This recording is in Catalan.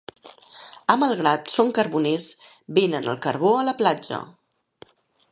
A Malgrat són carboners, venen el carbó a la platja.